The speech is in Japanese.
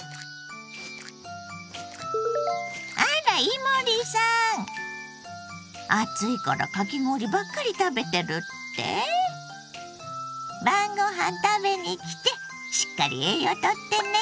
あら伊守さん暑いからかき氷ばっかり食べてるって⁉晩ご飯食べに来てしっかり栄養とってね。